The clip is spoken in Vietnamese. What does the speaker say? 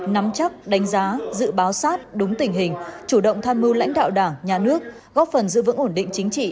nắm chắc đánh giá dự báo sát đúng tình hình chủ động tham mưu lãnh đạo đảng nhà nước góp phần giữ vững ổn định chính trị